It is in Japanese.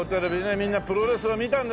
みんなプロレスを見たんですよ